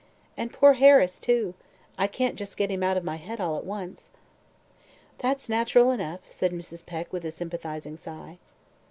And poor Harris, too; I can't just get him out of my head all at once." "That's natural enough," said Mrs. Peck with a sympathizing sigh.